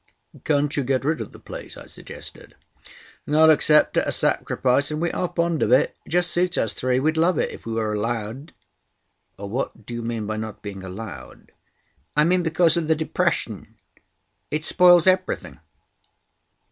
"Can't you get rid of the place?" I suggested. "Not except at a sacrifice, and we are fond of it. Just suits us three. We'd love it if we were allowed." "What do you mean by not being allowed?" "I mean because of the depression. It spoils everything."